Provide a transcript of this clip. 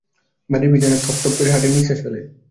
বাড়ির পিছনে থপথপ করে হাঁটে নিঃশ্বাস ফেলে।